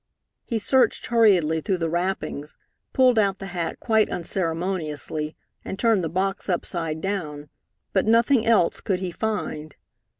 He searched hurriedly through the wrappings, pulled out the hat quite unceremoniously, and turned the box upside down, but nothing else could he find.